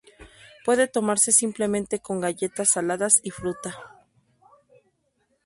Puede tomarse simplemente con galletas saladas y fruta.